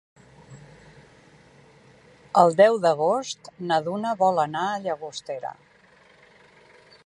El deu d'agost na Duna vol anar a Llagostera.